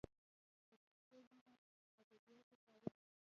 د پښتو ژبې ادبیاتو تاریخ